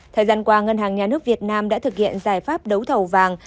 thời gian qua ngân hàng nhà nước việt nam đã thực hiện giải pháp đấu thầu vàng